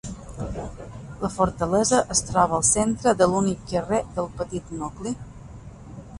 La fortalesa es troba al centre de l'únic carrer del petit nucli.